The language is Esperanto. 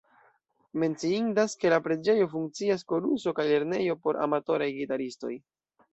Menciindas, ke en la preĝejo funkcias koruso kaj lernejo por amatoraj gitaristoj.